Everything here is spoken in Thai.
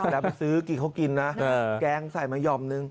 แล้วไปซื้อกินเขากินนะแกงใส่มาห่อมนึง